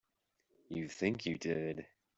You think you did.